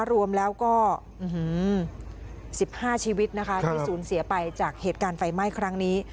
รวมแล้วก็๑๕ชีวิตนะคะที่สูญเสียไปจากเหตุการณ์ไฟไหม้ครั้งนี้